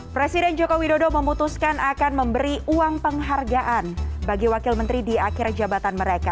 presiden joko widodo memutuskan akan memberi uang penghargaan bagi wakil menteri di akhir jabatan mereka